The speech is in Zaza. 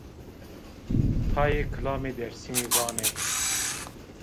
Tayê kilamê Dêrsimî vanê